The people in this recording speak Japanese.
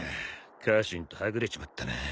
家臣とはぐれちまったな。